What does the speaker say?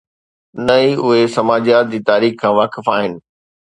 نه ئي اهي سماجيات جي تاريخ کان واقف آهن.